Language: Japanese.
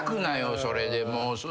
それで。